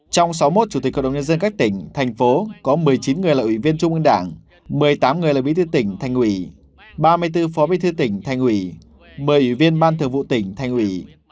trong sáu mươi một chủ tịch cộng đồng nhân dân các tỉnh thành phố có một mươi chín người là ủy viên trung ương đảng một mươi tám người là bí thư tỉnh thành ủy ba mươi bốn phó bí thư tỉnh thành ủy một mươi ủy viên ban thường vụ tỉnh thành ủy